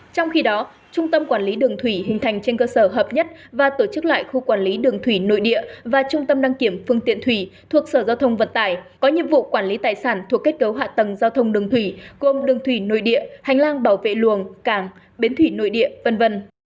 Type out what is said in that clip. trong khi đó trung tâm quản lý đường thủy hình thành trên cơ sở hợp nhất và tổ chức lại khu quản lý đường thủy nội địa và trung tâm đăng kiểm phương tiện thủy thuộc sở giao thông vận tải có nhiệm vụ quản lý tài sản thuộc kết cấu hạ tầng giao thông đường thủy gồm đường thủy nội địa hành lang bảo vệ luồng cảng bến thủy nội địa v v